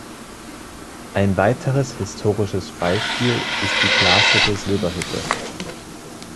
Ein weiteres historisches Beispiel ist die Glashütte Silberhütte.